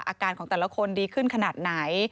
อาการของแต่ละคนดีขึ้นขนาดไหน